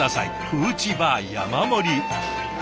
フーチバー山盛り。